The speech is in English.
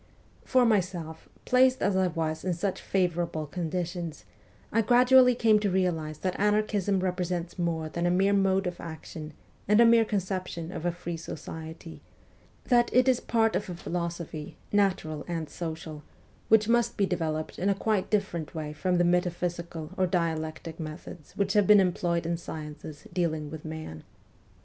For myself, placed as I was in such favourable conditions, I gradually came to realize that anarchism represents more than a mere mode of action and a mere conception of a free society ; that it is part of a philosophy, natural and social, which must be de veloped in a quite different way from the metaphysical or dialectic methods which have been employed in sciences dealing with man.